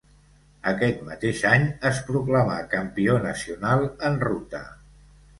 Aquest mateix any es proclamà campió nacional en ruta.